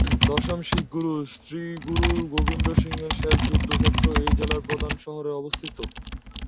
দশম শিখ গুরু, শ্রী গুরু গোবিন্দ সিংহের শেষ যুদ্ধক্ষেত্র, এই জেলার প্রধান শহরে অবস্থিত।